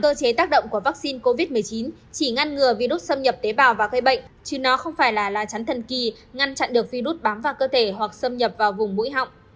cơ chế tác động của vaccine covid một mươi chín chỉ ngăn ngừa virus xâm nhập tế bào và gây bệnh chứ nó không phải là lá chắn thần kỳ ngăn chặn được virus bám vào cơ thể hoặc xâm nhập vào vùng mũi họng